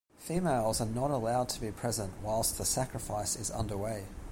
Females are not allowed to be present whilst the sacrifice is underway.